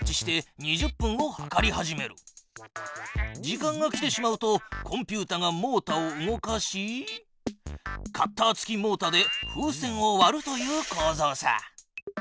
時間が来てしまうとコンピュータがモータを動かしカッター付きモータで風船をわるというこうぞうさ。